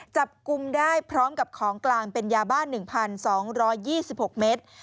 จับกลุ่มได้พร้อมกับของกลางเป็นยาบ้าน๑๒๒๖เมตร